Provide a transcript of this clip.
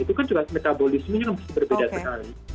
itu kan juga metabolismenya berbeda sekali